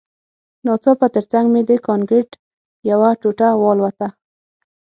ناڅاپه ترڅنګ مې د کانکریټ یوه ټوټه والوته